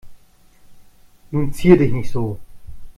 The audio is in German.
Nun zier dich nicht so.